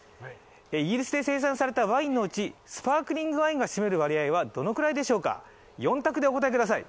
イギリスで生産されているワインのうちスパークリングワインが占める割合はどれくらいでしょうか。